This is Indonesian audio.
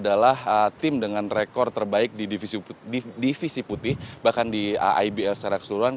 dan juga karena pelita jaya ini adalah tim dengan rekor terbaik di divisi putih bahkan di ibl secara keseluruhan